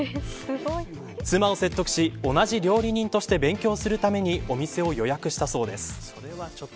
妻を説得し同じ料理人として勉強するためにお店を予約したそうです。